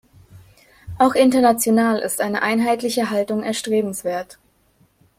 Auch international ist eine einheitliche Haltung erstrebenswert.